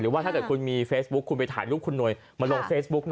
ว่าถ้าเกิดคุณมีเฟซบุ๊คคุณไปถ่ายรูปคุณหน่วยมาลงเฟซบุ๊ก